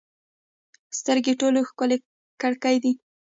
سترګې ټولو ښکلې کړکۍ دي.